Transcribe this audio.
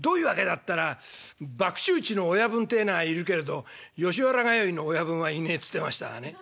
ったら「博打打ちの親分てえのはいるけれど吉原通いの親分はいねえ」っつってましたがね。